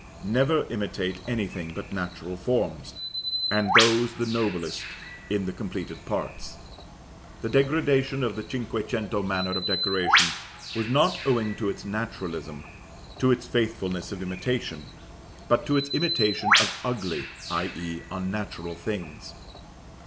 Never imitate anything but natural forms, and those the noblest, in the completed parts. The degradation of the cinque cento manner of decoration was not owing to its naturalism, to its faithfulness of imitation, but to its imitation of ugly, i.e. unnatural things.